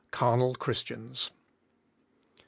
i67 CARNAL CHRISTIANS. I.